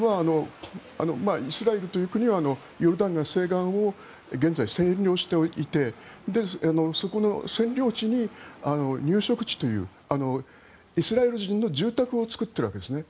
イスラエルという国はヨルダン川西岸を現在、占領していてそこの占領地に入植地というイスラエル人の住宅を作っているわけですね。